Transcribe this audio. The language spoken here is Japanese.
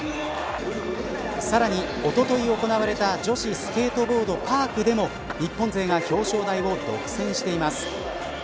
さらに、おととい行われた女子スケートボードパークでも日本勢が表彰台を独占しています。